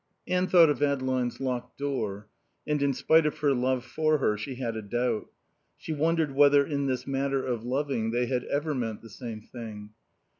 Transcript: Anne thought of Adeline's locked door; and, in spite of her love for her, she had a doubt. She wondered whether in this matter of loving they had ever meant the same thing.